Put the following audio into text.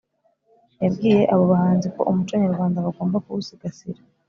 yabwiye abo bahanzi ko umuco nyarwanda bagomba kuwusigasira,